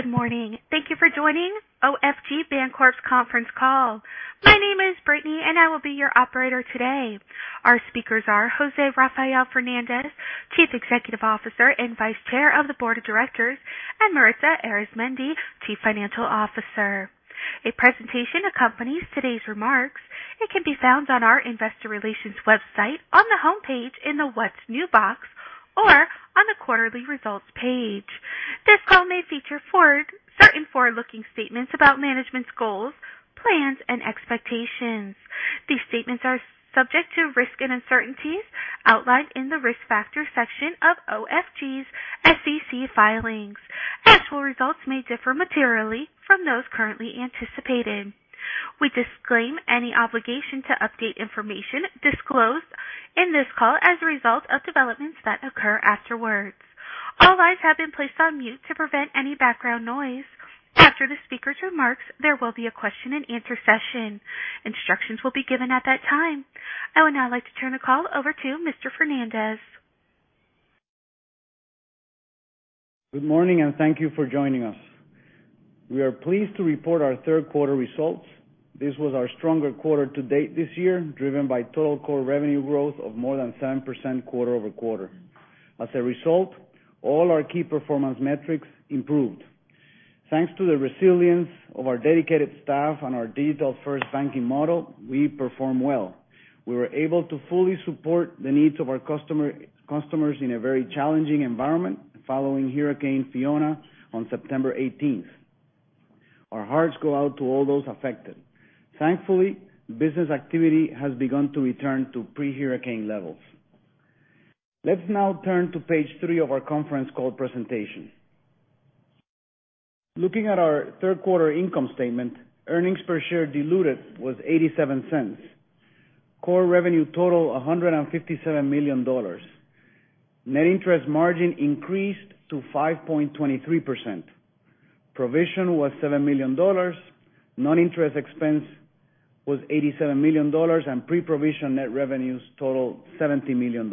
Good morning. Thank you for joining OFG Bancorp's conference call. My name is Brittany, and I will be your operator today. Our speakers are José Rafael Fernández, Chief Executive Officer and Vice Chair of the Board of Directors, and Maritza Arizmendi, Chief Financial Officer. A presentation accompanies today's remarks. It can be found on our investor relations website on the homepage in the What's New box or on the quarterly results page. This call may feature certain forward-looking statements about management's goals, plans and expectations. These statements are subject to risks and uncertainties outlined in the Risk Factors section of OFG's SEC filings. Actual results may differ materially from those currently anticipated. We disclaim any obligation to update information disclosed in this call as a result of developments that occur afterwards. All lines have been placed on mute to prevent any background noise. After the speaker's remarks, there will be a question-and-answer session. Instructions will be given at that time. I would now like to turn the call over to Mr. Fernández. Good morning and thank you for joining us. We are pleased to report our third quarter results. This was our stronger quarter to date this year, driven by total core revenue growth of more than 7% quarter-over-quarter. As a result, all our key performance metrics improved. Thanks to the resilience of our dedicated staff and our digital-first banking model, we performed well. We were able to fully support the needs of our customer, customers in a very challenging environment following Hurricane Fiona on September 18th. Our hearts go out to all those affected. Thankfully, business activity has begun to return to pre-hurricane levels. Let's now turn to page three of our conference call presentation. Looking at our third quarter income statement, earnings per share diluted was $0.87. Core revenue total $157 million. Net interest margin increased to 5.23%. Provision was $7 million. Non-interest expense was $87 million. Pre-provision net revenues totaled $70 million.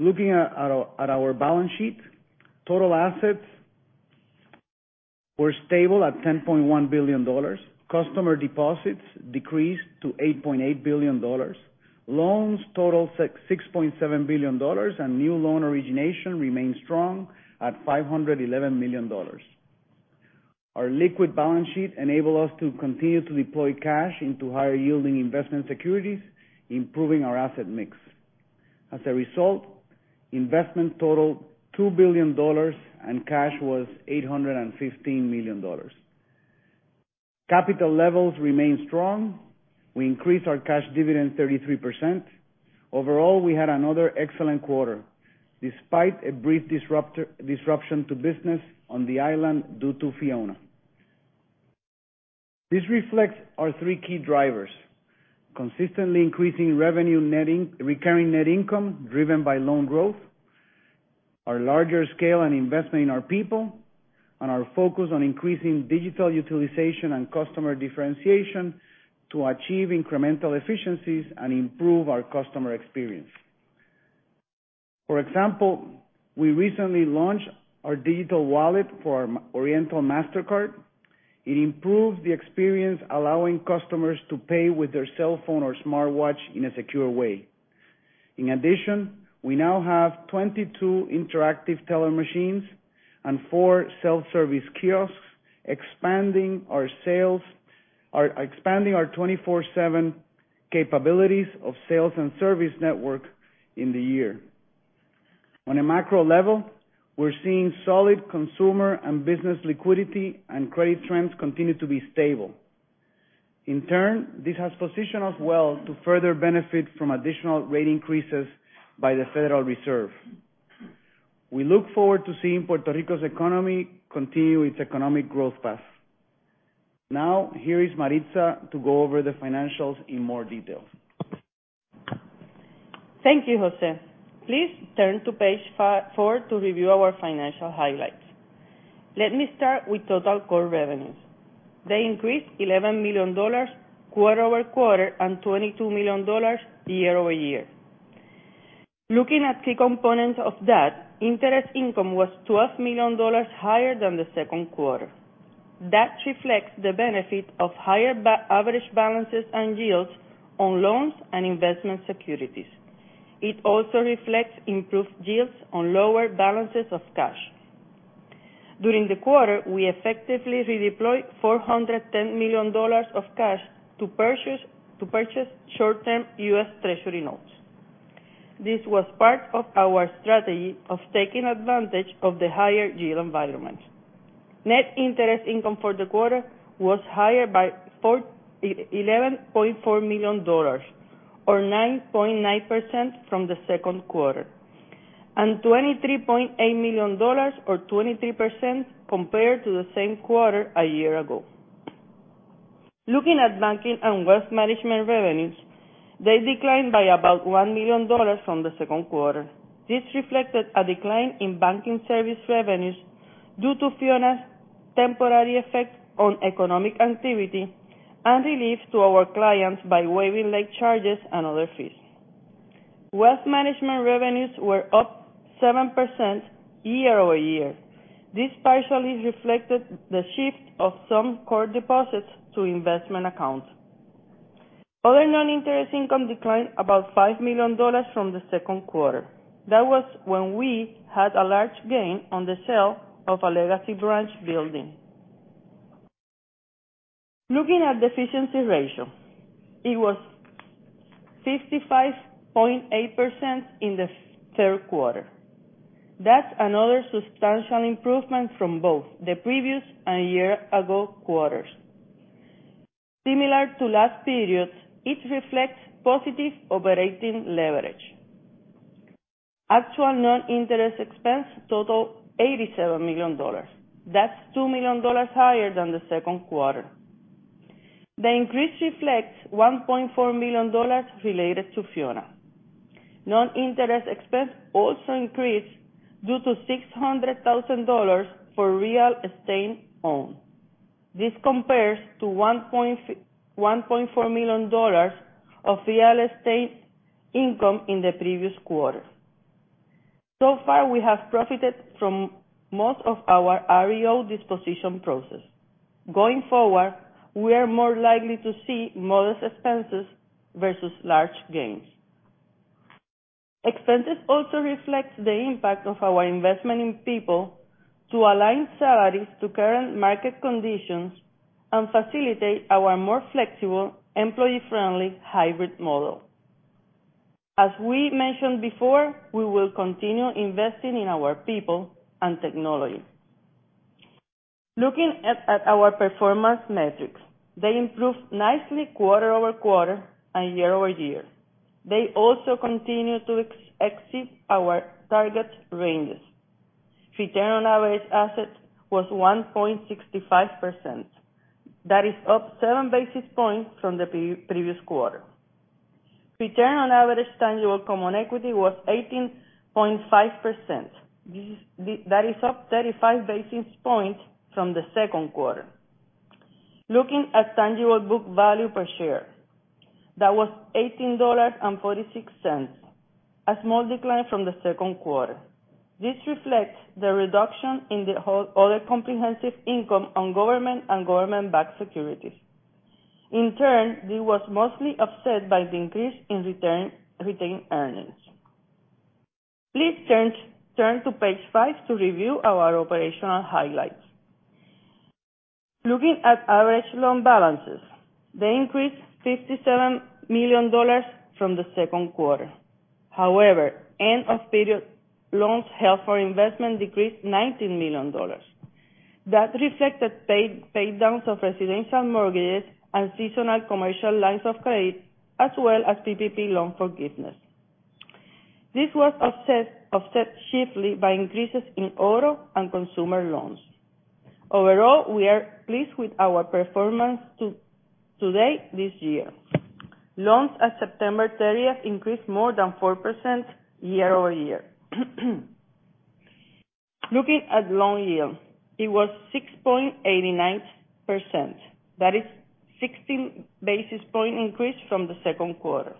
Looking at our balance sheet, total assets were stable at $10.1 billion. Customer deposits decreased to $8.8 billion. Loans totaled $6.7 billion. New loan origination remains strong at $511 million. Our liquid balance sheet enable us to continue to deploy cash into higher-yielding investment securities, improving our asset mix. As a result, investment totaled $2 billion and cash was $815 million. Capital levels remain strong. We increased our cash dividend 33%. Overall, we had another excellent quarter, despite a brief disruption to business on the island due to Hurricane Fiona. This reflects our three key drivers: consistently increasing revenue, recurring net income driven by loan growth, our larger scale and investment in our people, and our focus on increasing digital utilization and customer differentiation to achieve incremental efficiencies and improve our customer experience. For example, we recently launched our digital wallet for Oriental Mastercard. It improves the experience, allowing customers to pay with their cell phone or smartwatch in a secure way. In addition, we now have 22 interactive teller machines and four self-service kiosks, expanding our 24/7 capabilities of sales and service network in the year. On a macro level, we're seeing solid consumer and business liquidity and credit trends continue to be stable. In turn, this has positioned us well to further benefit from additional rate increases by the Federal Reserve. We look forward to seeing Puerto Rico's economy continue its economic growth path. Now, here is Maritza to go over the financials in more detail. Thank you, José. Please turn to page four to review our financial highlights. Let me start with total core revenues. They increased $11 million quarter-over-quarter and $22 million year-over-year. Looking at key components of that, interest income was $12 million higher than the second quarter. That reflects the benefit of higher average balances and yields on loans and investment securities. It also reflects improved yields on lower balances of cash. During the quarter, we effectively redeployed $410 million of cash to purchase short-term U.S. Treasury notes. This was part of our strategy of taking advantage of the higher yield environment. Net interest income for the quarter was higher by $11.4 million or 9.9% from the second quarter, and $23.8 million or 23% compared to the same quarter a year ago. Looking at banking and wealth management revenues, they declined by about $1 million from the second quarter. This reflected a decline in banking service revenues due to Fiona's temporary effect on economic activity and relief to our clients by waiving late charges and other fees. Wealth management revenues were up 7% year-over-year. This partially reflected the shift of some core deposits to investment accounts. Other non-interest income declined about $5 million from the second quarter. That was when we had a large gain on the sale of a legacy branch building. Looking at the efficiency ratio, it was 55.8% in the third quarter. That's another substantial improvement from both the previous and year ago quarters. Similar to last period, it reflects positive operating leverage. Actual non-interest expense total $87 million. That's $2 million higher than the second quarter. The increase reflects $1.4 million related to Fiona. Non-interest expense also increased due to $600,000 for real estate owned. This compares to $1.4 million of real estate income in the previous quarter. So far, we have profited from most of our REO disposition process. Going forward, we are more likely to see modest expenses versus large gains. Expenses also reflects the impact of our investment in people to align salaries to current market conditions and facilitate our more flexible employee-friendly hybrid model. As we mentioned before, we will continue investing in our people and technology. Looking at our performance metrics, they improved nicely quarter-over-quarter and year-over-year. They also continue to exceed our target ranges. Return on average assets was 1.65%. That is up basis points from the previous quarter. Return on average tangible common equity was 18.5%. That is up 35 basis points from the second quarter. Looking at tangible book value per share, that was $18.46, a small decline from the second quarter. This reflects the reduction in other comprehensive income on government and government-backed securities. In turn, this was mostly offset by the increase in retained earnings. Please turn to page five to review our operational highlights. Looking at average loan balances, they increased $57 million from the second quarter. However, end-of-period loans held for investment decreased $19 million. That reflected paydowns of residential mortgages and seasonal commercial lines of credit, as well as PPP loan forgiveness. This was offset chiefly by increases in auto and consumer loans. Overall, we are pleased with our performance today this year. Loans at September 30 increased more than 4% year-over-year. Looking at loan yield, it was 6.89%. That is 16 basis point increase from the second quarter,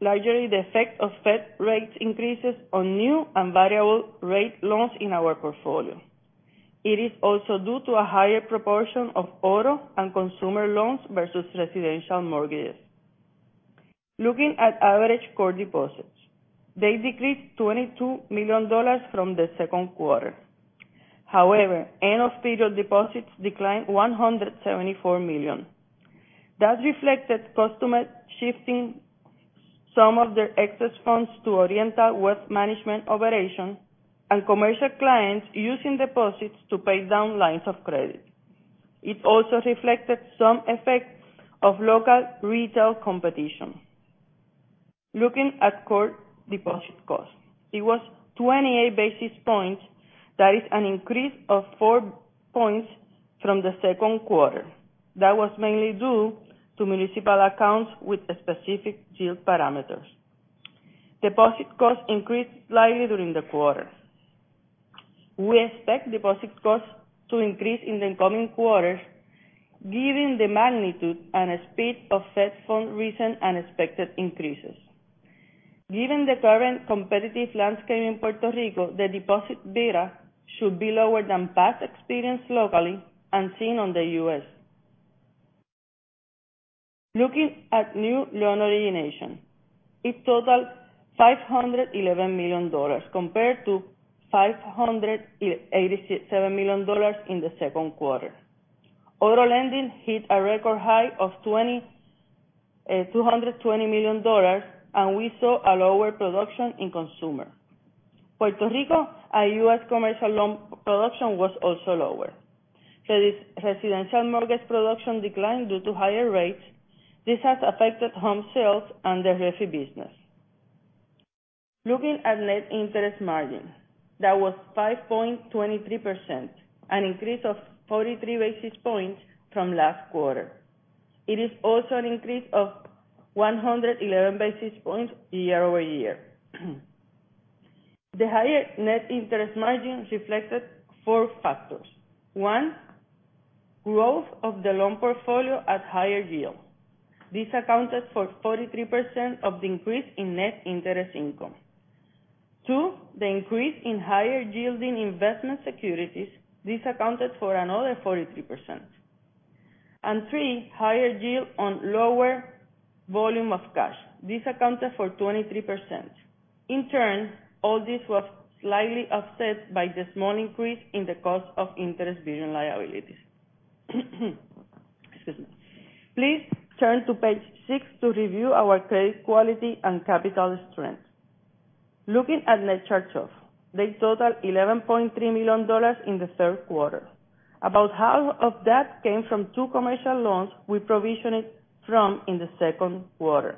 largely the effect of Fed rate increases on new and variable rate loans in our portfolio. It is also due to a higher proportion of auto and consumer loans versus residential mortgages. Looking at average core deposits, they decreased $22 million from the second quarter. However, end-of-period deposits declined $174 million. That reflected customer shifting some of their excess funds to Oriental Wealth Management operations and commercial clients using deposits to pay down lines of credit. It also reflected some effects of local retail competition. Looking at core deposit cost, it was 28 basis points. That is an increase of four points from the second quarter. That was mainly due to municipal accounts with specific yield parameters. Deposit costs increased slightly during the quarter. We expect deposit costs to increase in the coming quarters given the magnitude and speed of Fed funds recent unexpected increases. Given the current competitive landscape in Puerto Rico, the deposit beta should be lower than past experience locally and seen on the U.S.. Looking at new loan origination, it totaled $511 million compared to $587 million in the second quarter. Auto lending hit a record high of $220 million, and we saw a lower production in consumer. Puerto Rico and U.S. commercial loan production was also lower. Residential mortgage production declined due to higher rates. This has affected home sales and the ReFi business. Looking at net interest margin, that was 5.23%, an increase of 43 basis points from last quarter. It is also an increase of 111 basis points year-over-year. The higher net interest margin reflected four factors. One, growth of the loan portfolio at higher yield. This accounted for 43% of the increase in net interest income. Two, the increase in higher yielding investment securities. This accounted for another 43%. And three, higher yield on lower volume of cash. This accounted for 23%. In turn, all this was slightly offset by the small increase in the cost of interest-bearing liabilities. Excuse me. Please turn to page six to review our credit quality and capital strength. Looking at net charge-off, they totaled $11.3 million in the third quarter. About half of that came from two commercial loans we provisioned for in the second quarter.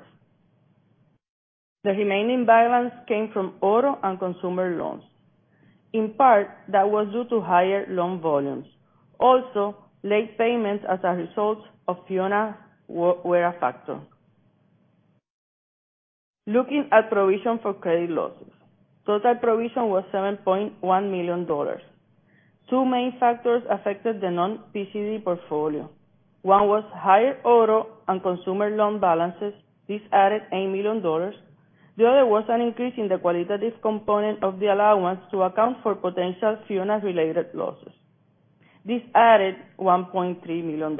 The remaining balance came from auto and consumer loans. In part, that was due to higher loan volumes. Also, late payments as a result of Fiona were a factor. Looking at provision for credit losses, total provision was $7.1 million. Two main factors affected the non-PCD portfolio. One was higher auto and consumer loan balances. This added $8 million. The other was an increase in the qualitative component of the allowance to account for potential Fiona-related losses. This added $1.3 million.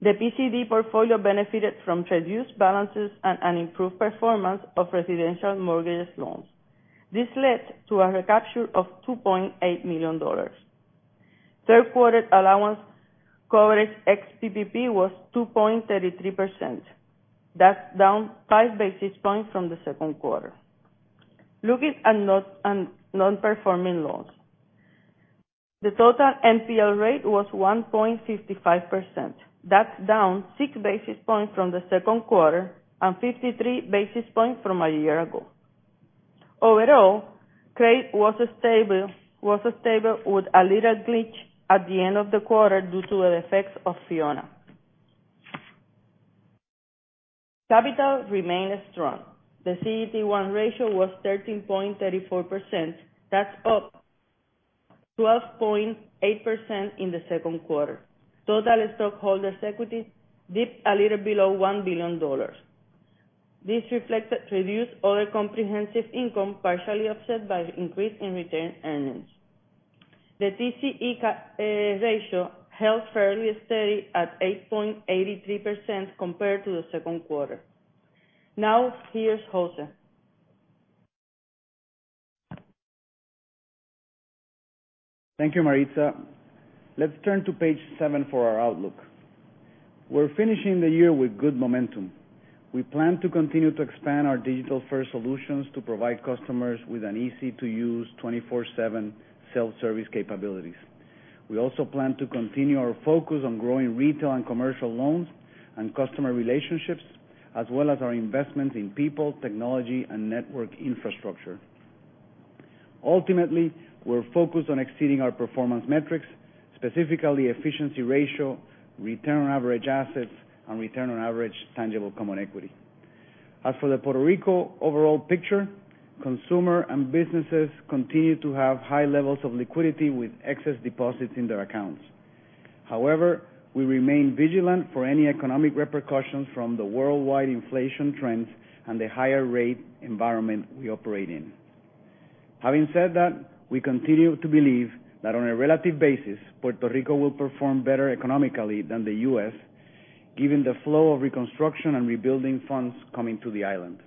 The PCD portfolio benefited from reduced balances and an improved performance of residential mortgage loans. This led to a recapture of $2.8 million. Third quarter allowance coverage ex PPP was 2.33%. That's down 5 basis points from the second quarter. Looking at non-performing loans, the total NPL rate was 1.55%. That's down 6 basis points from the second quarter and 53 basis points from a year ago. Overall, credit was stable with a little glitch at the end of the quarter due to the effects of Fiona. Capital remained strong. The CET1 ratio was 13.34%. That's up 12.8% in the second quarter. Total stockholders' equity dipped a little below $1 billion. This reflected reduced other comprehensive income, partially offset by increase in retained earnings. The TCE ratio held fairly steady at 8.83% compared to the second quarter. Now, here's José. Thank you, Maritza. Let's turn to page seven for our outlook. We're finishing the year with good momentum. We plan to continue to expand our digital-first solutions to provide customers with an easy-to-use, 24/7 self-service capabilities. We also plan to continue our focus on growing retail and commercial loans and customer relationships, as well as our investments in people, technology, and network infrastructure. Ultimately, we're focused on exceeding our performance metrics, specifically efficiency ratio, return on average assets, and return on average tangible common equity. As for the Puerto Rico overall picture, consumer and businesses continue to have high levels of liquidity with excess deposits in their accounts. However, we remain vigilant for any economic repercussions from the worldwide inflation trends and the higher rate environment we operate in. Having said that, we continue to believe that on a relative basis, Puerto Rico will perform better economically than the U.S., given the flow of reconstruction and rebuilding funds coming to the island.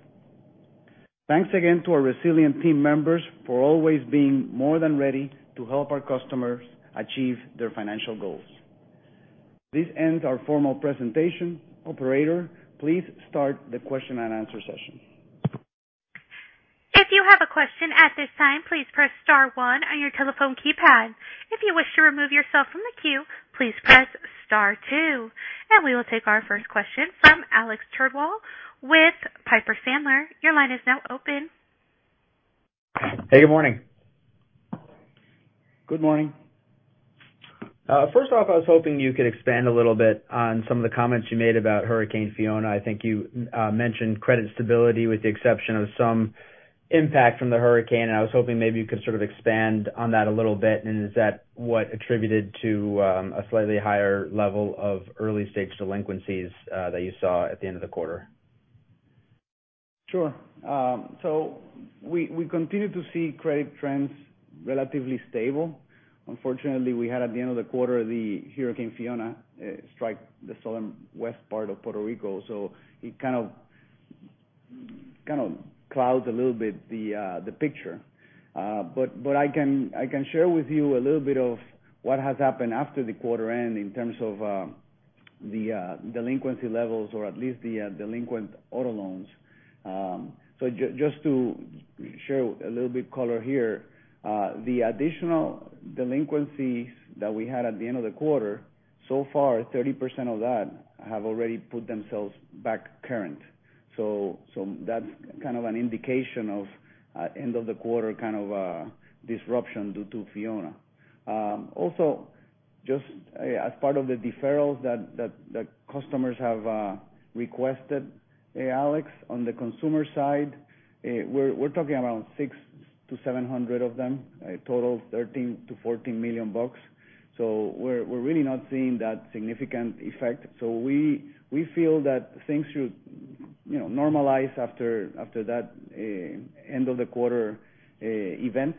Thanks again to our resilient team members for always being more than ready to help our customers achieve their financial goals. This ends our formal presentation. Operator, please start the question and answer session. If you have a question at this time, please press star one on your telephone keypad. If you wish to remove yourself from the queue, please press star two. We will take our first question from Alex Twerdahl with Piper Sandler. Your line is now open. Hey, good morning. Good morning. First off, I was hoping you could expand a little bit on some of the comments you made about Hurricane Fiona. I think you mentioned credit stability with the exception of some impact from the hurricane, and I was hoping maybe you could sort of expand on that a little bit. Is that what attributed to a slightly higher level of early-stage delinquencies that you saw at the end of the quarter? Sure. We continue to see credit trends relatively stable. Unfortunately, we had, at the end of the quarter, Hurricane Fiona strike the southern west part of Puerto Rico, so it kind of clouds a little bit the picture. I can share with you a little bit of what has happened after the quarter end in terms of the delinquency levels or at least the delinquent auto loans. Just to share a little bit color here, the additional delinquencies that we had at the end of the quarter, so far, 30% of that have already put themselves back current. That's kind of an indication of end of the quarter kind of disruption due to Fiona. As part of the deferrals that customers have requested, Alex, on the consumer side, we're talking around 600-700 of them, a total of $13 million-$14 million. We're really not seeing that significant effect. We feel that things should, you know, normalize after that end of the quarter event.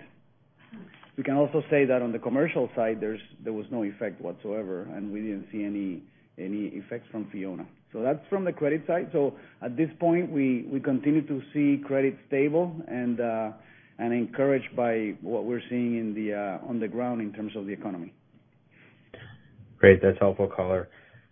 We can also say that on the commercial side, there was no effect whatsoever, and we didn't see any effects from Fiona. That's from the credit side. At this point, we continue to see credit stable and encouraged by what we're seeing on the ground in terms of the economy. Great. That's helpful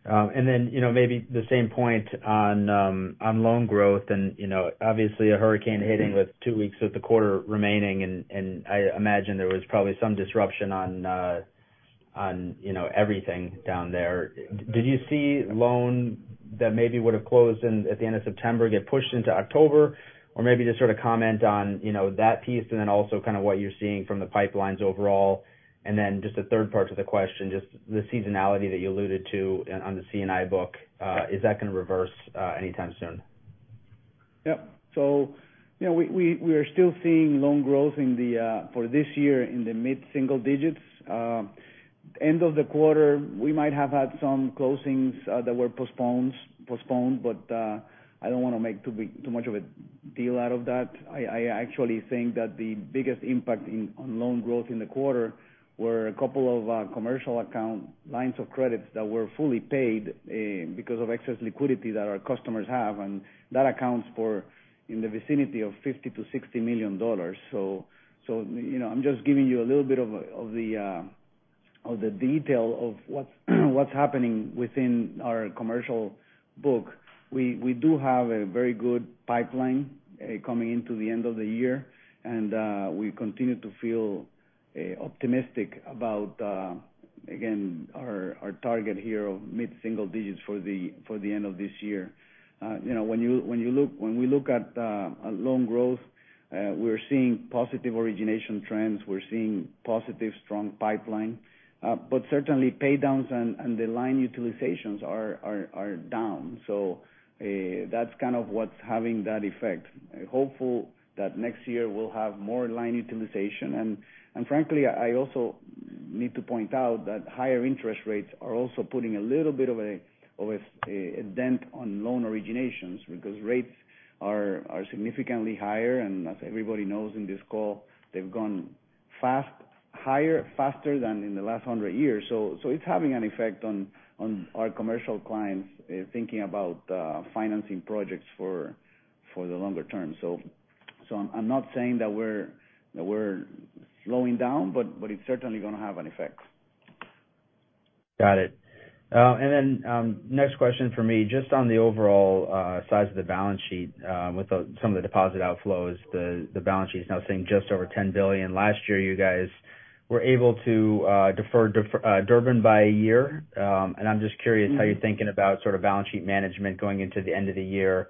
color. You know, maybe the same point on loan growth and, you know, obviously a hurricane hitting with two weeks of the quarter remaining and I imagine there was probably some disruption on, you know, everything down there. Did you see loans that maybe would have closed at the end of September get pushed into October? Or maybe just sort of comment on, you know, that piece and then also kind of what you're seeing from the pipelines overall. Then just the third part of the question, just the seasonality that you alluded to on the C&I book, is that gonna reverse anytime soon? Yep. You know, we are still seeing loan growth for this year in the mid-single digits. End of the quarter, we might have had some closings that were postponed, but I don't wanna make too much of a deal out of that. I actually think that the biggest impact on loan growth in the quarter were a couple of commercial lines of credit that were fully paid because of excess liquidity that our customers have. That accounts for in the vicinity of $50 million-$60 million. You know, I'm just giving you a little bit of the detail of what's happening within our commercial book. We do have a very good pipeline coming into the end of the year, and we continue to feel optimistic about again our target here of mid-single digits for the end of this year. You know, when we look at loan growth, we're seeing positive origination trends. We're seeing positive strong pipeline. But certainly pay downs and the line utilizations are down. That's kind of what's having that effect. Hopeful that next year we'll have more line utilization. Frankly, I also need to point out that higher interest rates are also putting a little bit of a dent on loan originations because rates are significantly higher. As everybody knows in this call, they've gone fast, higher, faster than in the last 100 years. So it's having an effect on our commercial clients thinking about financing projects for the longer term. So I'm not saying that we're slowing down, but it's certainly gonna have an effect. Got it. Then, next question from me, just on the overall size of the balance sheet, with some of the deposit outflows, the balance sheet is now sitting just over $10 billion. Last year, you guys were able to defer Durbin by a year. I'm just curious how you're thinking about sort of balance sheet management going into the end of the year,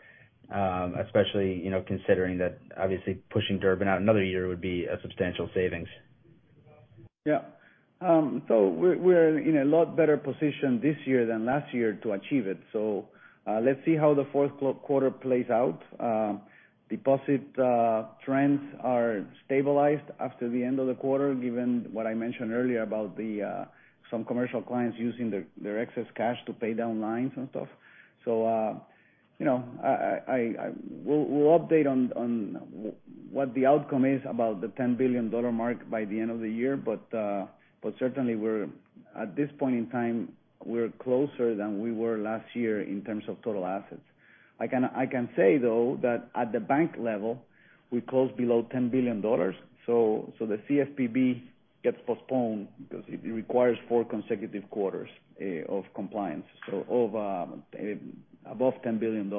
especially, you know, considering that obviously pushing Durbin out another year would be a substantial savings. Yeah. We're in a lot better position this year than last year to achieve it. Let's see how the fourth quarter plays out. Deposit trends are stabilized after the end of the quarter, given what I mentioned earlier about some commercial clients using their excess cash to pay down lines and stuff. You know, we'll update on what the outcome is about the $10 billion mark by the end of the year. Certainly, we're at this point in time closer than we were last year in terms of total assets. I can say, though, that at the bank level, we closed below $10 billion, so the CFPB gets postponed because it requires four consecutive quarters of compliance of above $10 billion.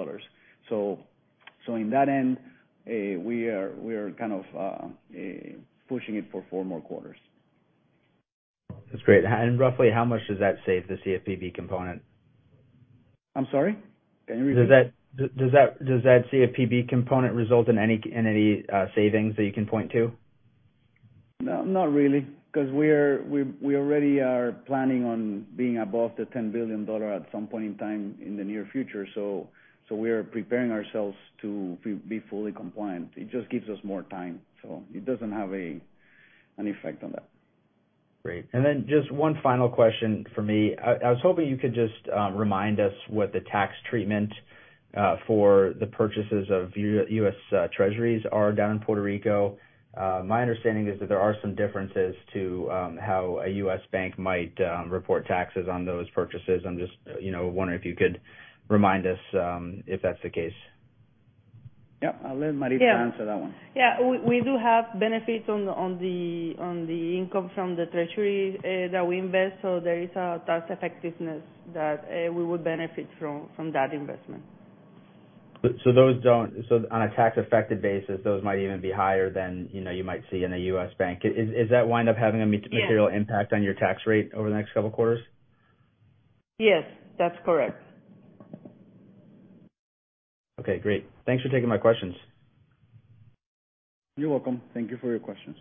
In that end, we are kind of pushing it for four more quarters. That's great. Roughly how much does that save the CFPB component? I'm sorry? Can you repeat? Does that CFPB component result in any savings that you can point to? No, not really, because we already are planning on being above the $10 billion at some point in time in the near future. We are preparing ourselves to be fully compliant. It just gives us more time, so it doesn't have an effect on that. Great. Just one final question from me. I was hoping you could just remind us what the tax treatment for the purchases of U.S. Treasuries are down in Puerto Rico. My understanding is that there are some differences to how a U.S. bank might report taxes on those purchases. I'm just, you know, wondering if you could remind us if that's the case. Yeah. I'll let Maritza answer that one. Yeah. We do have benefits on the income from the Treasury that we invest. There is a tax effectiveness that we would benefit from that investment. On a tax-effective basis, those might even be higher than, you know, you might see in a U.S. bank. Is that wind up having a material impact on your tax rate over the next couple quarters? Yes, that's correct. Okay, great. Thanks for taking my questions. You're welcome. Thank you for your questions.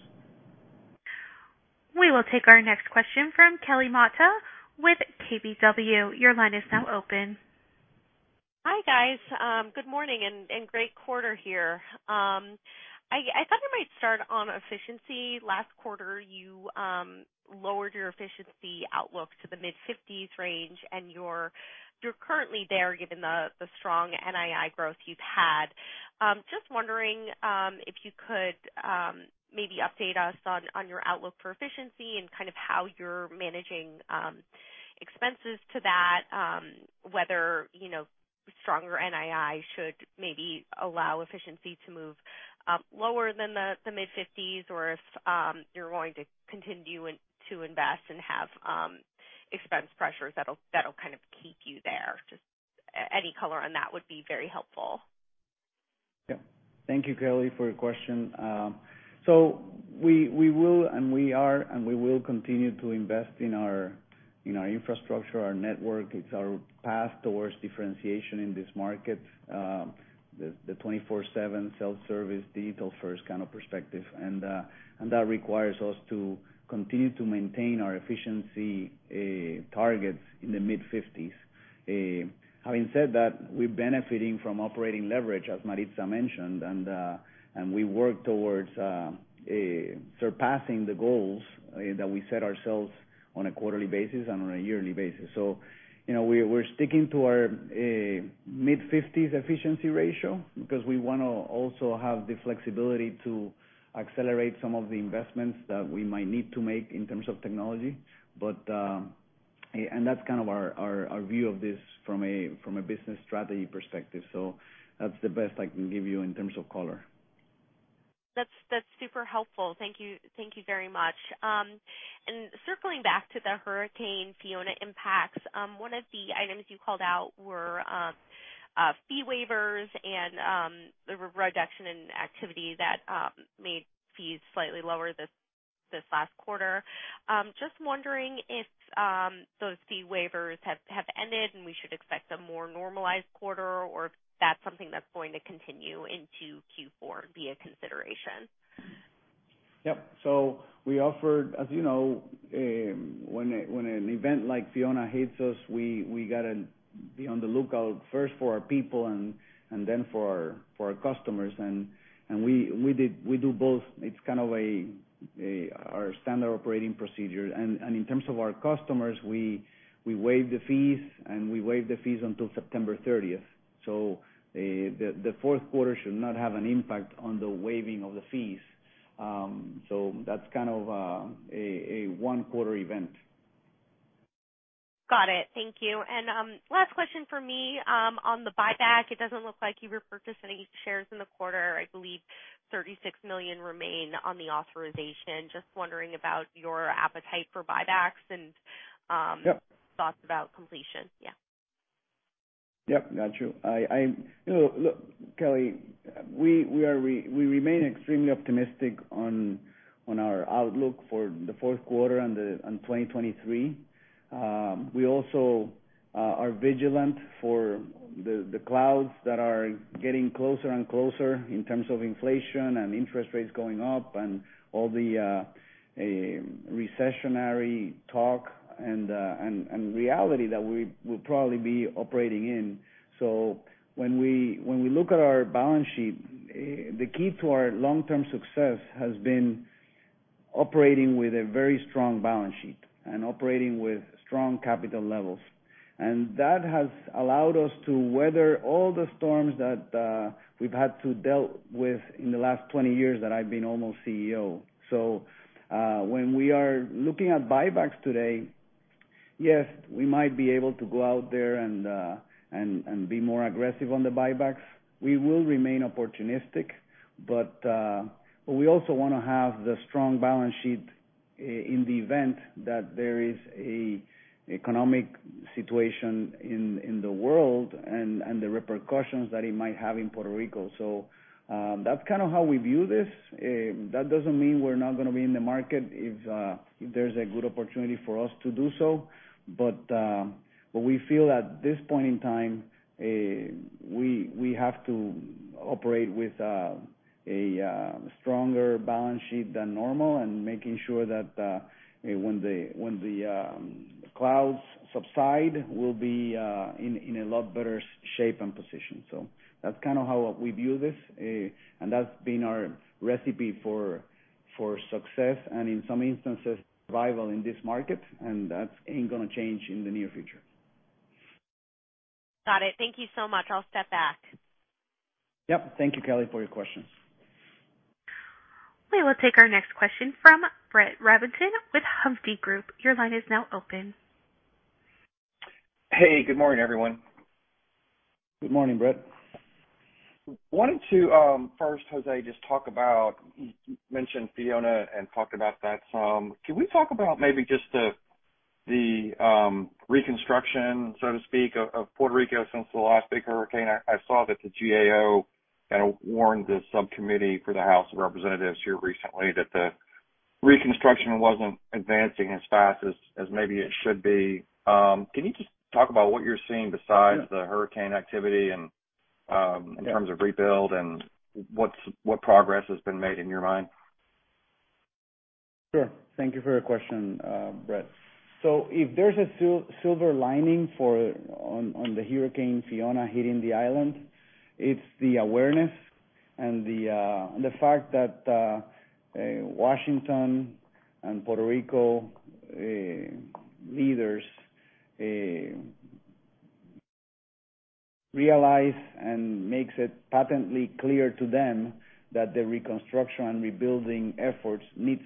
We will take our next question from Kelly Motta with KBW. Your line is now open. Hi, guys. Good morning and great quarter here. I thought I might start on efficiency. Last quarter you lowered your efficiency outlook to the mid-50s range, and you're currently there given the strong NII growth you've had. Just wondering if you could maybe update us on your outlook for efficiency and kind of how you're managing expenses to that, whether you know, stronger NII should maybe allow efficiency to move lower than the mid-50s or if you're going to continue to invest and have expense pressures that'll kind of keep you there. Just any color on that would be very helpful. Yeah. Thank you, Kelly, for your question. We will continue to invest in our infrastructure, our network. It's our path towards differentiation in this market, the 24/7 self-service, digital first kind of perspective. That requires us to continue to maintain our efficiency targets in the mid-50s. Having said that, we're benefiting from operating leverage, as Maritza mentioned, and we work towards surpassing the goals that we set ourselves on a quarterly basis and on a yearly basis. You know, we're sticking to our mid-50s efficiency ratio because we wanna also have the flexibility to accelerate some of the investments that we might need to make in terms of technology. But, that's kind of our view of this from a business strategy perspective. That's the best I can give you in terms of color. That's super helpful. Thank you very much. Circling back to the Hurricane Fiona impacts, one of the items you called out were fee waivers and the reduction in activity that made fees slightly lower this last quarter. Just wondering if those fee waivers have ended and we should expect a more normalized quarter or if that's something that's going to continue into Q4 via consideration. Yep. We offered, as you know, when an event like Fiona hits us, we gotta be on the lookout first for our people and then for our customers. We do both. It's kind of our standard operating procedure. In terms of our customers, we waive the fees until September thirtieth. The fourth quarter should not have an impact on the waiving of the fees. That's kind of a one quarter event. Got it. Thank you. Last question for me, on the buyback, it doesn't look like you repurchased any shares in the quarter. I believe 36 million remain on the authorization. Just wondering about your appetite for buybacks and, Yeah. Thoughts about completion. Yeah. Yep, got you. You know, look, Kelly, we remain extremely optimistic on our outlook for the fourth quarter and on 2023. We also are vigilant for the clouds that are getting closer and closer in terms of inflation and interest rates going up and all the recessionary talk and reality that we will probably be operating in. When we look at our balance sheet, the key to our long-term success has been operating with a very strong balance sheet and operating with strong capital levels. That has allowed us to weather all the storms that we've had to deal with in the last 20 years that I've been almost CEO. When we are looking at buybacks today, yes, we might be able to go out there and be more aggressive on the buybacks. We will remain opportunistic, but we also wanna have the strong balance sheet in the event that there is an economic situation in the world and the repercussions that it might have in Puerto Rico. That's kind of how we view this. That doesn't mean we're not gonna be in the market if there's a good opportunity for us to do so. We feel at this point in time, we have to operate with a stronger balance sheet than normal and making sure that when the clouds subside, we'll be in a lot better shape and position. That's kind of how we view this, and that's been our recipe for success and in some instances, survival in this market, and that ain't gonna change in the near future. Got it. Thank you so much. I'll step back. Yep. Thank you, Kelly, for your questions. We will take our next question from Brett Rabatin with Hovde Group. Your line is now open. Hey, good morning, everyone. Good morning, Brett. Wanted to first, José, just talk about, you mentioned Fiona and talked about that some. Can we talk about maybe just the reconstruction, so to speak, of Puerto Rico since the last big hurricane? I saw that the GAO kind of warned the subcommittee for the House of Representatives here recently that the reconstruction wasn't advancing as fast as maybe it should be. Can you just talk about what you're seeing besides- Yeah. The hurricane activity and Yeah. In terms of rebuild and what progress has been made in your mind? Sure. Thank you for your question, Brett. If there's a silver lining on the Hurricane Fiona hitting the island, it's the awareness and the fact that Washington and Puerto Rico leaders realize and makes it patently clear to them that the reconstruction, rebuilding efforts need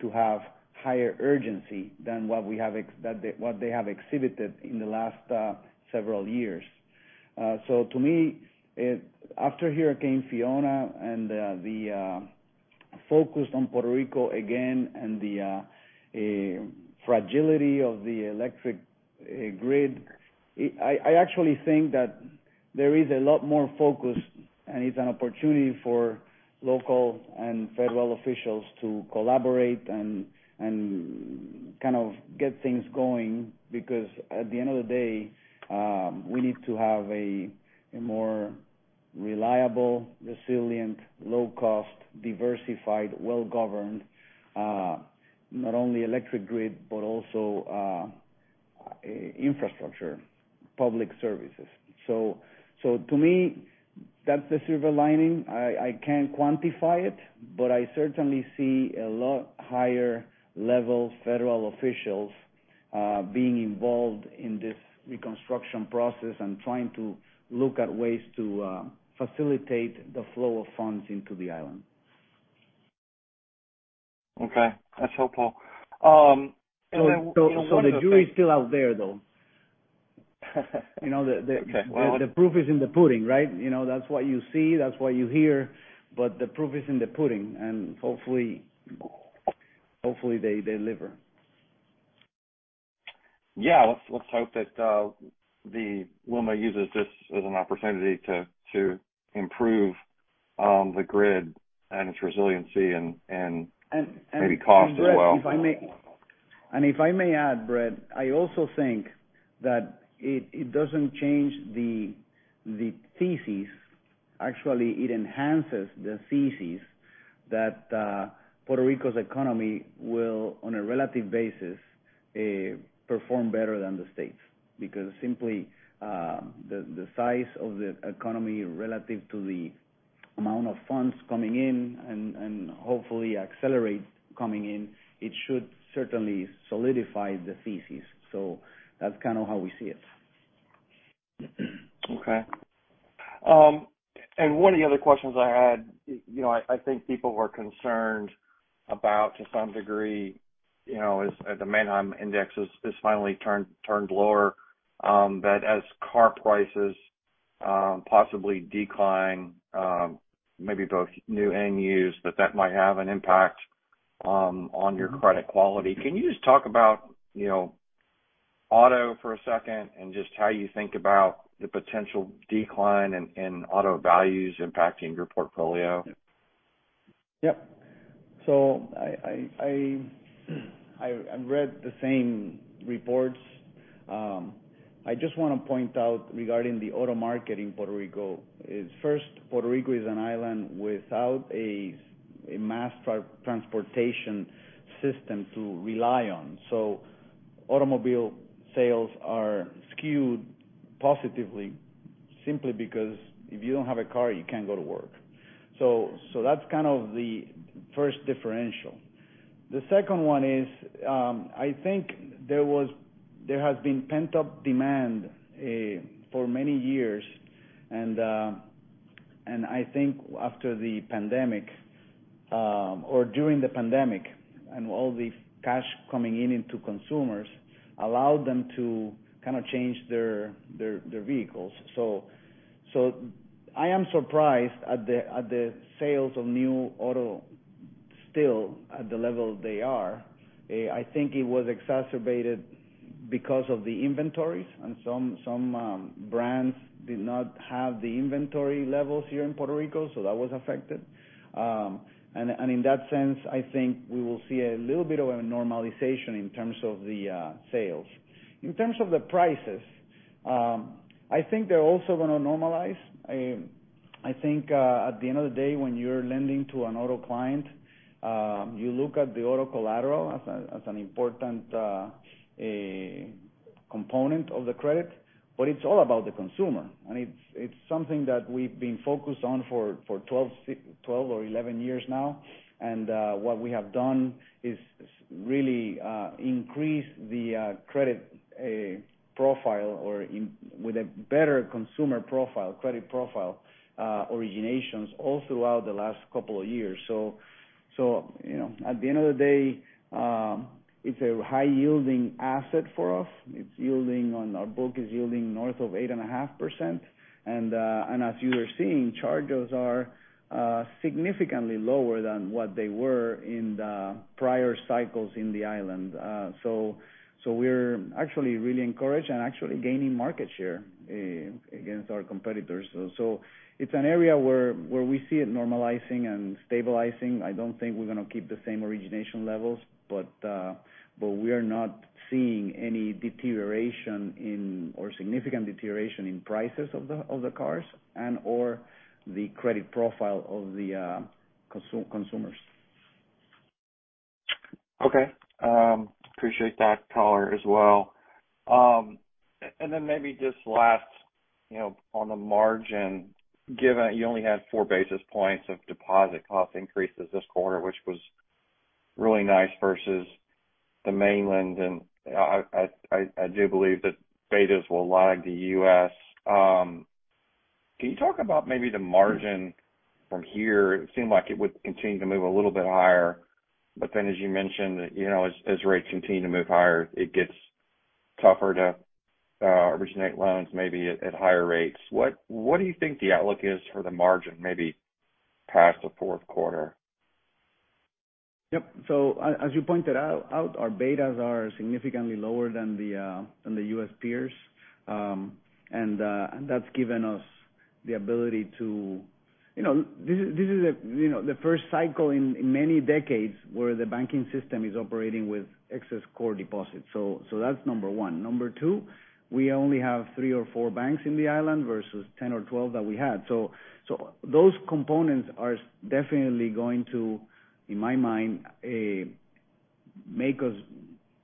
to have higher urgency than what they have exhibited in the last several years. To me, after Hurricane Fiona and the focus on Puerto Rico again and the fragility of the electric grid, I actually think that there is a lot more focus, and it's an opportunity for local and federal officials to collaborate and kind of get things going. Because at the end of the day, we need to have a more reliable, resilient, low cost, diversified, well governed, not only electric grid, but also, infrastructure, public services. To me, that's the silver lining. I can't quantify it, but I certainly see a lot higher level federal officials being involved in this reconstruction process and trying to look at ways to facilitate the flow of funds into the island. Okay. That's helpful. You know, one of the things. The jury's still out there, though. You know. Okay. Well The proof is in the pudding, right? You know, that's what you see, that's what you hear. The proof is in the pudding. Hopefully they deliver. Yeah. Let's hope that the LUMA uses this as an opportunity to improve the grid and its resiliency. And, and- Maybe costs as well. If I may add, Brett, I also think that it doesn't change the thesis. Actually, it enhances the thesis that Puerto Rico's economy will, on a relative basis, perform better than the States. Because simply, the size of the economy relative to the amount of funds coming in and hopefully accelerate coming in, it should certainly solidify the thesis. That's kind of how we see it. Okay. One of the other questions I had, you know, I think people were concerned about, to some degree, you know, as the Manheim Index has finally turned lower, that as car prices possibly decline, maybe both new and used, that might have an impact on your credit quality. Can you just talk about, you know, auto for a second and just how you think about the potential decline in auto values impacting your portfolio? Yeah. I read the same reports. I just wanna point out regarding the auto market in Puerto Rico. First, Puerto Rico is an island without a mass transit transportation system to rely on. Automobile sales are skewed positively simply because if you don't have a car, you can't go to work. That's kind of the first differential. The second one is, I think there has been pent-up demand for many years. I think after the pandemic, or during the pandemic and all the cash coming in into consumers allowed them to kind of change their vehicles. I am surprised at the sales of new auto still at the level they are. I think it was exacerbated because of the inventories, and some brands did not have the inventory levels here in Puerto Rico, so that was affected. In that sense, I think we will see a little bit of a normalization in terms of the sales. In terms of the prices, I think they're also gonna normalize. I think at the end of the day, when you're lending to an auto client, you look at the auto collateral as an important component of the credit, but it's all about the consumer. It's something that we've been focused on for 12 or 11 years now. What we have done is really increase the credit profile with a better consumer profile, credit profile originations all throughout the last couple of years. You know, at the end of the day, it's a high-yielding asset for us. It's yielding on our book is yielding north of 8.5%. As you are seeing, charges are significantly lower than what they were in the prior cycles in the island. We're actually really encouraged and actually gaining market share against our competitors. It's an area where we see it normalizing and stabilizing. I don't think we're gonna keep the same origination levels, but we are not seeing any deterioration, or significant deterioration in prices of the cars and or the credit profile of the consumers. Okay. Appreciate that color as well. Then maybe just last, you know, on the margin, given you only had four basis points of deposit cost increases this quarter, which was really nice versus the mainland, and I do believe that betas will lag the U.S.. Can you talk about maybe the margin from here? It seemed like it would continue to move a little bit higher, but then as you mentioned, you know, as rates continue to move higher, it gets tougher to originate loans maybe at higher rates. What do you think the outlook is for the margin, maybe past the fourth quarter? Yep. As you pointed out, our betas are significantly lower than the U.S. peers. That's given us the ability. You know, this is the first cycle in many decades where the banking system is operating with excess core deposits. That's number one. Number two, we only have three or four banks in the island versus 10 or 12 that we had. Those components are definitely going to, in my mind, make us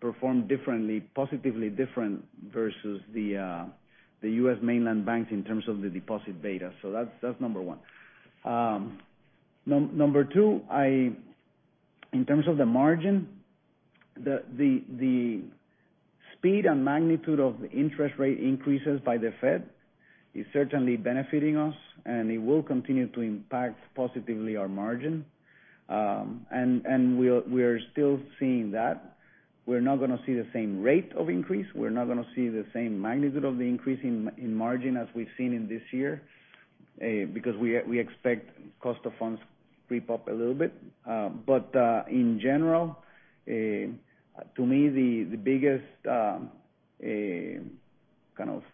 perform differently, positively different versus the U.S. mainland banks in terms of the deposit beta. That's number one. Number two, in terms of the margin, the speed and magnitude of the interest rate increases by the Fed is certainly benefiting us, and it will continue to impact positively our margin. We are still seeing that. We're not gonna see the same rate of increase. We're not gonna see the same magnitude of the increase in margin as we've seen in this year, because we expect cost of funds creep up a little bit. In general, to me, the biggest kind of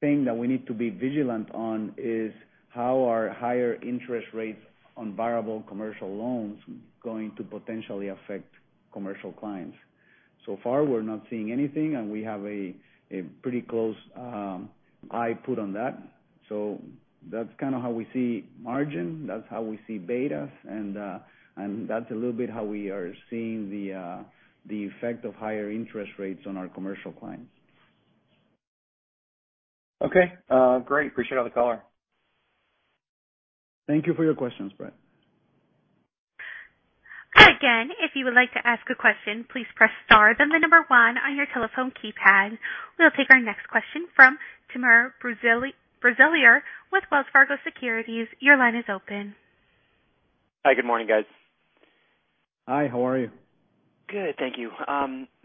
thing that we need to be vigilant on is how are higher interest rates on variable commercial loans going to potentially affect commercial clients. So far, we're not seeing anything, and we have a pretty close eye on that. That's kind of how we see margin, that's how we see betas and that's a little bit how we are seeing the effect of higher interest rates on our commercial clients. Okay. Great. Appreciate all the color. Thank you for your questions, Brett. Again, if you would like to ask a question, please press star, then the number one on your telephone keypad. We'll take our next question from Timur Braziler with Wells Fargo Securities. Your line is open. Hi. Good morning, guys. Hi, how are you? Good, thank you.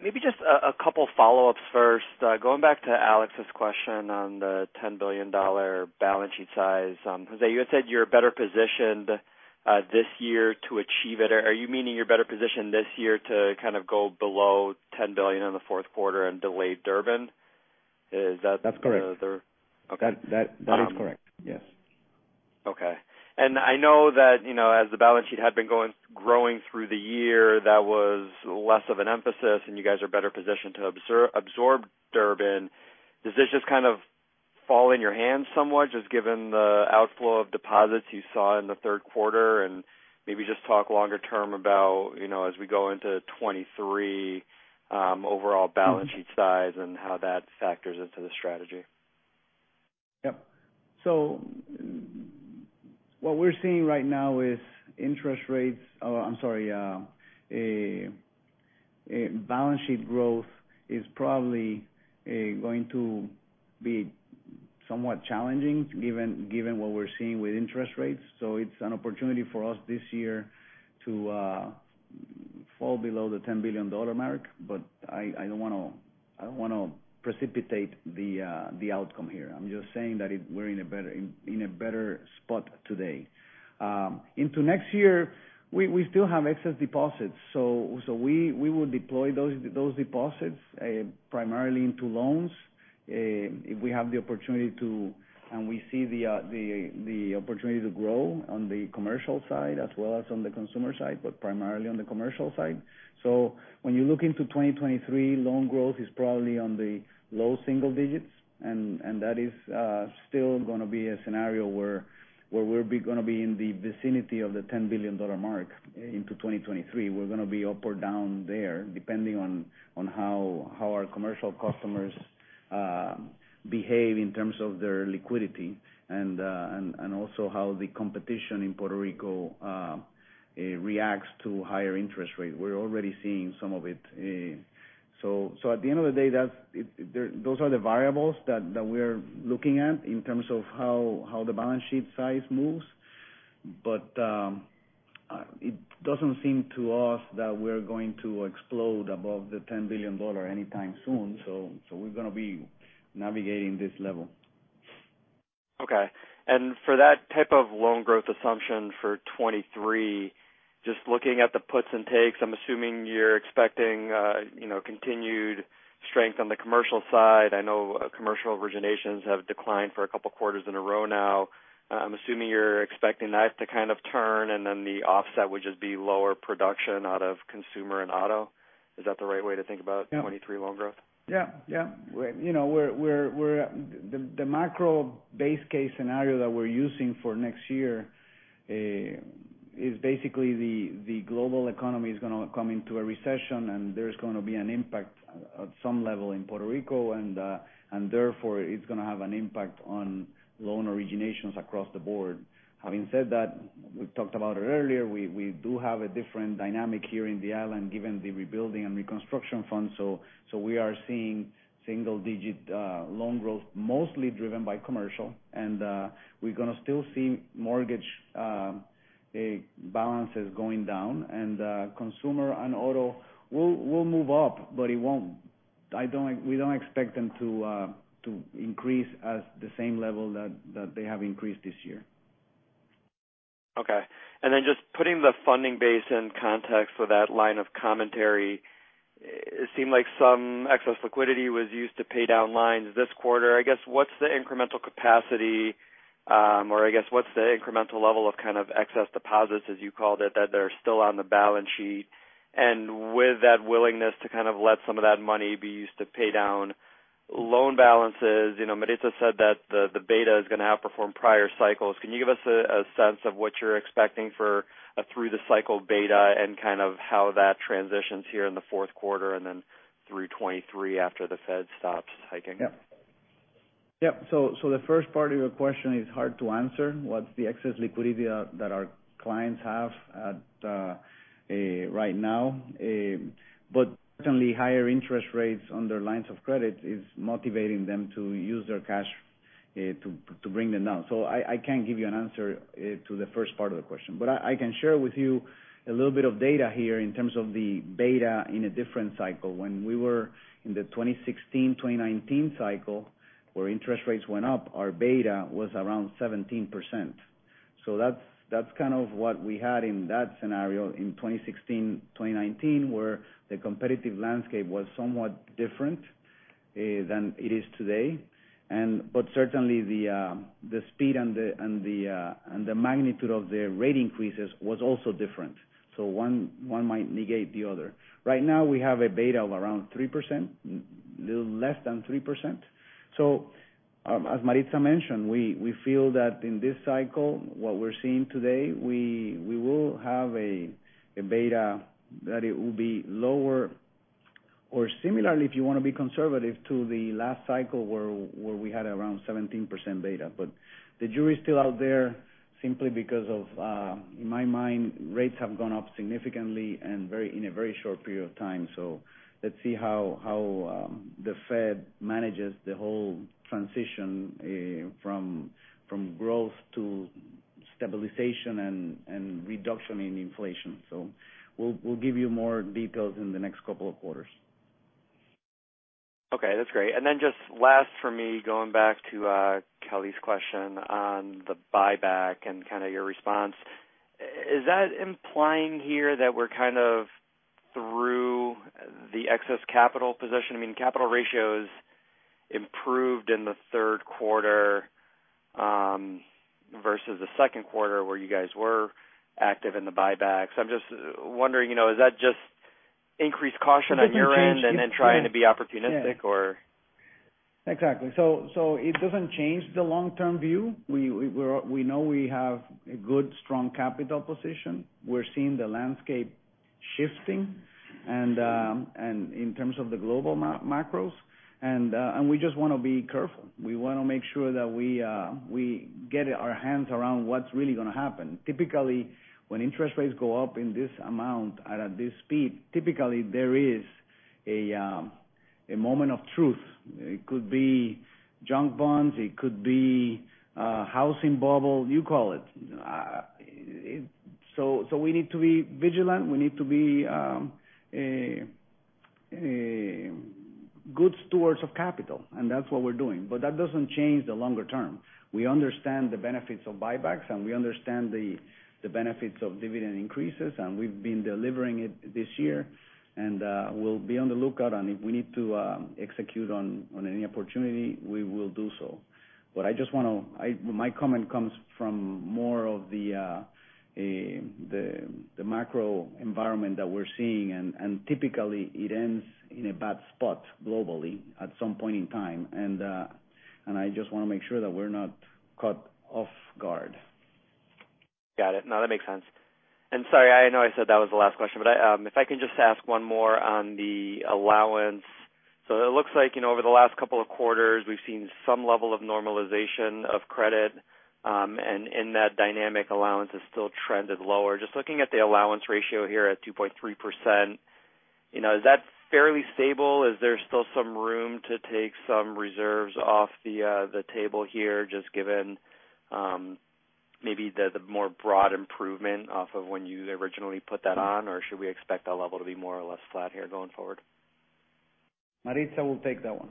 Maybe just a couple follow-ups first. Going back to Alex's question on the $10 billion balance sheet size, José, you had said you're better positioned this year to achieve it. Are you meaning you're better positioned this year to kind of go below $10 billion in the fourth quarter and delay Durbin? Is that- That's correct. Okay. That is correct. Yes. Okay. I know that, you know, as the balance sheet had been growing through the year, that was less of an emphasis, and you guys are better positioned to absorb Durbin. Does this just kind of fall in your hands somewhat, just given the outflow of deposits you saw in the third quarter? Maybe just talk longer term about, you know, as we go into 2023, overall balance sheet size and how that factors into the strategy. What we're seeing right now is balance sheet growth is probably going to be somewhat challenging given what we're seeing with interest rates. It's an opportunity for us this year to fall below the $10 billion mark. But I don't wanna precipitate the outcome here. I'm just saying that we're in a better spot today. Into next year, we still have excess deposits, so we will deploy those deposits primarily into loans if we have the opportunity to, and we see the opportunity to grow on the commercial side as well as on the consumer side, but primarily on the commercial side. When you look into 2023, loan growth is probably in the low single digits, and that is still gonna be a scenario where we'll be in the vicinity of the $10 billion mark into 2023. We're gonna be up or down there, depending on how our commercial customers behave in terms of their liquidity and also how the competition in Puerto Rico reacts to higher interest rate. We're already seeing some of it, so at the end of the day, those are the variables that we're looking at in terms of how the balance sheet size moves. It doesn't seem to us that we're going to explode above the $10 billion anytime soon, so we're gonna be navigating this level. Okay. For that type of loan growth assumption for 2023, just looking at the puts and takes, I'm assuming you're expecting, you know, continued strength on the commercial side. I know commercial originations have declined for a couple quarters in a row now. I'm assuming you're expecting that to kind of turn, and then the offset would just be lower production out of consumer and auto. Is that the right way to think about- Yeah. 23 loan growth? Yeah. Yeah. You know, we're at the macro base case scenario that we're using for next year. It is basically the global economy is gonna come into a recession, and there's gonna be an impact at some level in Puerto Rico, and therefore it's gonna have an impact on loan originations across the board. Having said that, we talked about it earlier. We do have a different dynamic here in the island given the rebuilding and reconstruction fund. We are seeing single-digit loan growth, mostly driven by commercial. We're gonna still see mortgage balances going down, and consumer and auto will move up, but we don't expect them to increase at the same level that they have increased this year. Okay. Just putting the funding base in context for that line of commentary, it seemed like some excess liquidity was used to pay down lines this quarter. I guess, what's the incremental capacity, or I guess what's the incremental level of kind of excess deposits, as you called it, that are still on the balance sheet? With that willingness to kind of let some of that money be used to pay down loan balances, you know, Maritza said that the beta is gonna outperform prior cycles. Can you give us a sense of what you're expecting for through the cycle beta and kind of how that transitions here in the fourth quarter and then through 2023 after the Fed stops hiking? The first part of your question is hard to answer. What's the excess liquidity that our clients have right now? Certainly higher interest rates on their lines of credit is motivating them to use their cash to bring them down. I can't give you an answer to the first part of the question. I can share with you a little bit of data here in terms of the beta in a different cycle. When we were in the 2016-2019 cycle, where interest rates went up, our beta was around 17%. That's kind of what we had in that scenario in 2016-2019, where the competitive landscape was somewhat different than it is today. Certainly the speed and the magnitude of the rate increases was also different. One might negate the other. Right now we have a beta of around 3%, less than 3%. As Maritza mentioned, we feel that in this cycle, what we're seeing today, we will have a beta that it will be lower or similarly, if you wanna be conservative, to the last cycle where we had around 17% beta. But the jury is still out there simply because of, in my mind, rates have gone up significantly and in a very short period of time. Let's see how the Fed manages the whole transition, from growth to stabilization and reduction in inflation. We'll give you more details in the next couple of quarters. Okay, that's great. Just last for me, going back to Kelly's question on the buyback and kinda your response. Is that implying here that we're kind of through the excess capital position? I mean, capital ratios improved in the third quarter versus the second quarter where you guys were active in the buybacks. I'm just wondering, you know, is that just increased caution on your end? It doesn't change. Trying to be opportunistic or? Exactly. It doesn't change the long-term view. We know we have a good, strong capital position. We're seeing the landscape shifting and in terms of the global macros. We just wanna be careful. We wanna make sure that we get our hands around what's really gonna happen. Typically, when interest rates go up in this amount and at this speed, typically there is a moment of truth. It could be junk bonds, it could be a housing bubble, you call it. We need to be vigilant. We need to be good stewards of capital, and that's what we're doing. That doesn't change the longer term. We understand the benefits of buybacks, and we understand the benefits of dividend increases, and we've been delivering it this year. We'll be on the lookout. If we need to execute on any opportunity, we will do so. My comment comes from more of the macro environment that we're seeing. Typically it ends in a bad spot globally at some point in time. I just wanna make sure that we're not caught off guard. Got it. No, that makes sense. Sorry, I know I said that was the last question, but if I can just ask one more on the allowance. It looks like, you know, over the last couple of quarters, we've seen some level of normalization of credit, and in that dynamic allowance is still trended lower. Just looking at the allowance ratio here at 2.3%, you know, is that fairly stable? Is there still some room to take some reserves off the table here, just given maybe the more broad improvement off of when you originally put that on? Or should we expect that level to be more or less flat here going forward? Maritza will take that one.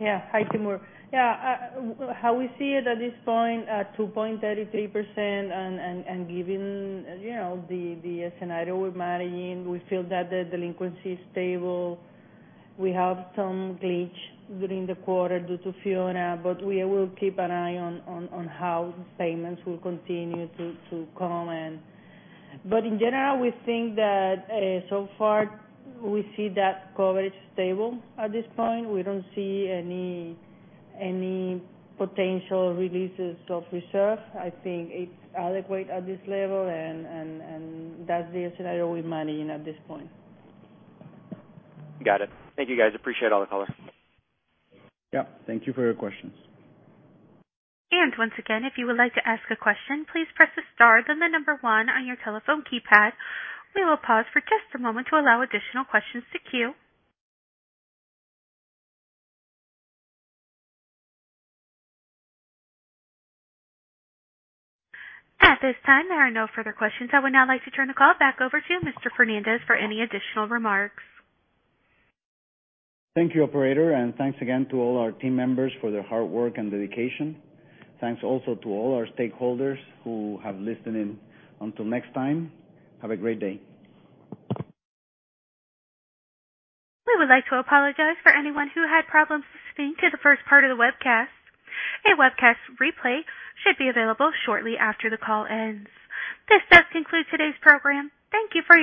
Yeah. Hi, Timur. Yeah. How we see it at this point at 2.33% and given, you know, the scenario we're managing, we feel that the delinquency is stable. We have some glitch during the quarter due to Fiona, but we will keep an eye on how payments will continue to come. In general, we think that, so far, we see that coverage stable at this point. We don't see any potential releases of reserve. I think it's adequate at this level and that's the scenario we're managing at this point. Got it. Thank you, guys. Appreciate all the color. Yeah. Thank you for your questions. Once again, if you would like to ask a question, please press the star then the number one on your telephone keypad. We will pause for just a moment to allow additional questions to queue. At this time, there are no further questions. I would now like to turn the call back over to Mr. Fernández for any additional remarks. Thank you, operator, and thanks again to all our team members for their hard work and dedication. Thanks also to all our stakeholders who have listened in. Until next time, have a great day. We would like to apologize for anyone who had problems listening to the first part of the webcast. A webcast replay should be available shortly after the call ends. This does conclude today's program. Thank you for participating.